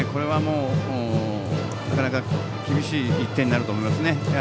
なかなか厳しい１点になると思いますね。